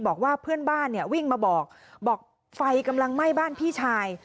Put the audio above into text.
บอกว่าเพื่อนบ้านเนี่ยวิ่งมาบอกบอกไฟกำลังไหม้บ้านพี่ชาย